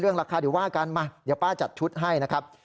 ราคาเดี๋ยวว่ากันมาเดี๋ยวป้าจัดชุดให้นะครับ